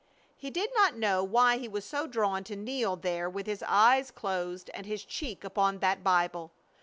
He did not know why he was drawn to kneel there with his eyes closed and his cheek upon that Bible.